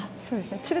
そうですね。